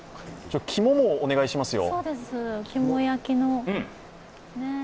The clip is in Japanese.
肝もお願いしますよ。